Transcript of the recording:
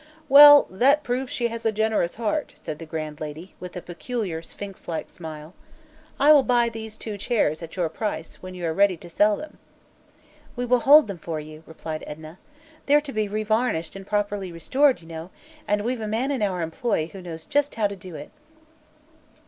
"Well, that proves she has a generous heart," said the grand lady, with a peculiar, sphinx like smile. "I will buy these two chairs, at your price, when you are ready to sell them." "We will hold them for you," replied Edna. "They're to be revarnished and properly 'restored,' you know, and we've a man in our employ who knows just how to do it."